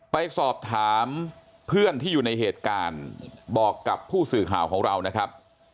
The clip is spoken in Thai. ไปสอบถามเพื่อนที่อยู่ในเหตุการณ์บอกกับผู้สื่อข่าวของเรานะครับ